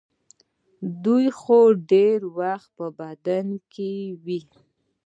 دوا خو ډېر وخت په بدن کې وي.